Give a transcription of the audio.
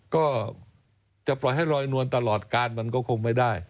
ก็จะปล่อยให้ลอยนวลตลอดการมันก็คงไม่ได้